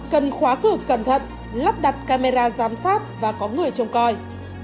cần khóa cửa cẩn thận lắp đặt camera giám sát và có người trông coi